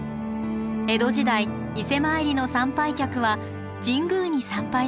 江戸時代伊勢参りの参拝客は神宮に参拝した